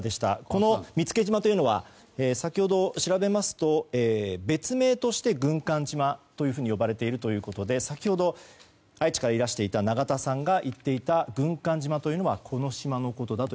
この見附島というのは先ほど調べますと別名として軍艦島と呼ばれているということで先ほど、愛知からいらしていたナガタさんが行っていた軍艦島というのはこの島のことだと